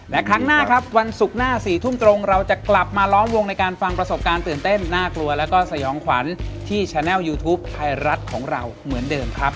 และครั้งหน้าครับวันศุกร์หน้า๔ทุ่มตรงเราจะกลับมาล้อมวงในการฟังประสบการณ์ตื่นเต้นน่ากลัวแล้วก็สยองขวัญที่แชนัลยูทูปไทยรัฐของเราเหมือนเดิมครับ